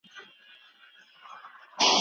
بڼوال ناروغه بوټي له باغ څخه ایستلي وو.